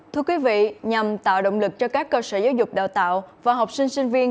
thưa quý vị nhằm tạo động lực cho các cơ sở giáo dục đào tạo và học sinh sinh viên